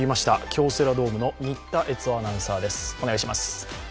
京セラドームの新タ悦男アナウンサーです。